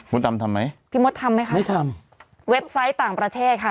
ทำไหมพี่มดทำไหมคะไม่ทำเว็บไซต์ต่างประเทศค่ะ